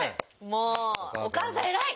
もうお母さん偉い！